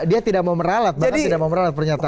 dia tidak mau meralat bahkan tidak mau meralat pernyataan